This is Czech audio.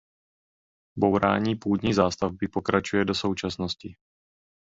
Bourání původní zástavby pokračuje do současnosti.